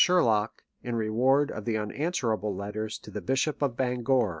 Sher lock, in reward of the unanswerable letters to the Bishop of Bangor.